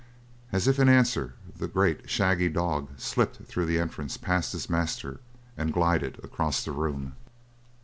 As if in answer, the great, shaggy dog slipped through the entrance past his master and glided across the room.